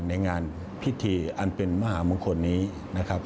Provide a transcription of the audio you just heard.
ในงานพิธีอันเป็นมหามงคลนี้นะครับ